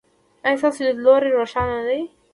ایا ستاسو لید لوری روښانه نه دی؟